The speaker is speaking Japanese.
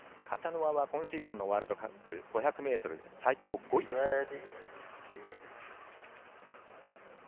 カチャノワは今シーズンのワールドカップ５００ｍで最高５位です。